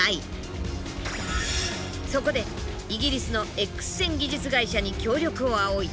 そこでイギリスのＸ線技術会社に協力を仰いだ。